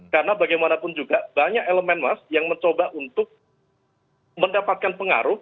karena bagaimanapun juga banyak elemen mas yang mencoba untuk mendapatkan pengaruh